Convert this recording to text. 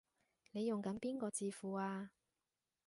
你用緊邊個字庫啊？